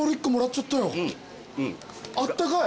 あったかい。